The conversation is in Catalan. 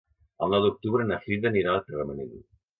El nou d'octubre na Frida anirà a Tagamanent.